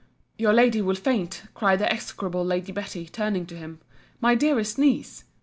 Your lady will faint, cried the execrable Lady Betty, turning to him—My dearest Niece!